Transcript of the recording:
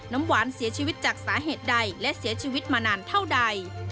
น้ำหวานเสียชีวิตจากสาเหตุใดและเสียชีวิตมานานเท่าใด